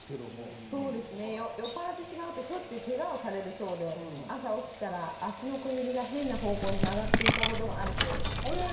そうですね酔っ払ってしまうとしょっちゅうケガをされるそうで朝起きたら足の小指が変な方向に曲がっていたこともあるそうですえっ？